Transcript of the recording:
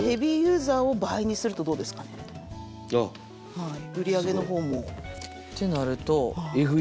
はい売り上げの方も。ってなると。